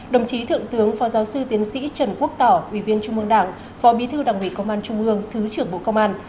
đồng chí thượng tướng phó giáo sư tiến sĩ trần quốc tỏ ủy viên trung mương đảng phó bí thư đảng ủy công an trung ương thứ trưởng bộ công an